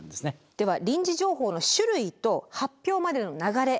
では臨時情報の種類と発表までの流れご覧頂きます。